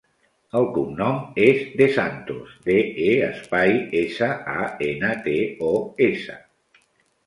El cognom és De Santos: de, e, espai, essa, a, ena, te, o, essa.